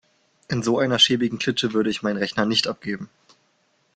In so einer schäbigen Klitsche würde ich meinen Rechner nicht abgeben.